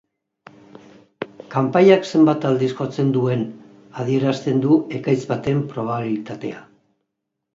Kanpaiak zenbat aldiz jotzen duen adierazten du ekaitz baten probabilitatea.